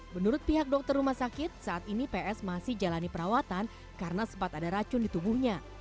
menurut pihak dokter rumah sakit saat ini ps masih jalani perawatan karena sempat ada racun di tubuhnya